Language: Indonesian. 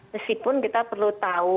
meskipun kita perlu tahu